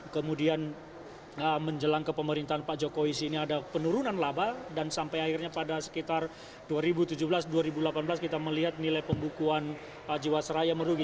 kemudian menjelang kepemerintahan pak jokowi sini ada penurunan laba dan sampai akhirnya pada sekitar dua ribu tujuh belas dua ribu delapan belas kita melihat nilai pembukuan jiwasraya merugi